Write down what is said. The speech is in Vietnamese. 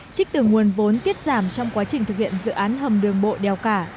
trích từ nguồn vốn tiết giảm trong quá trình thực hiện dự án hầm đường bộ đèo cả